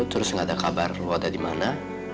terus gak ada kabar lu ada dimana